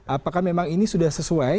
apakah memang ini sudah sesuai